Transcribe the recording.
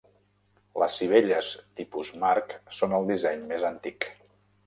Les sivelles tipus marc són el disseny més antic.